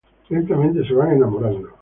Lentamente se van enamorando.